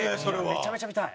めちゃめちゃ見たい！